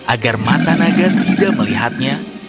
agar mata naga tidak melihatnya